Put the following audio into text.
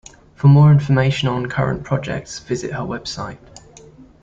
For more information on current projects visit her website.